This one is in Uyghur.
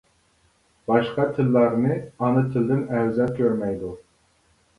باشقا تىللارنى ئانا تىلىدىن ئەۋزەل كۆرمەيدۇ.